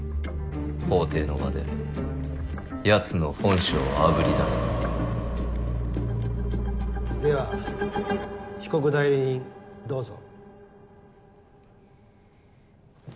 法廷の場でヤツの本性を炙り出すでは被告代理人どうぞ。